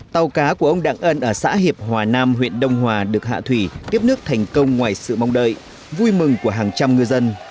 tàu cá của ông đặng ân ở xã hiệp hòa nam huyện đông hòa được hạ thủy tiếp nước thành công ngoài sự mong đợi vui mừng của hàng trăm ngư dân